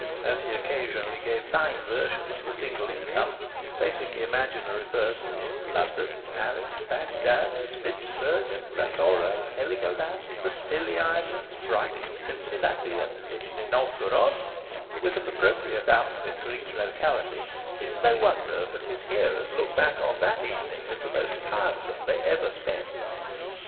As he occasionally gave nine versions of a single income, placing the imaginary person in London, Paris, Bagdad, Spitzbergen, Bassorah, Heligoland, the Scilly Islands, Brighton, Cincinnati, and Nijni Novgorod, with an appropriate outfit for each locality, it is no wonder that his hearers look back on that evening as the most tiresome they ever spent.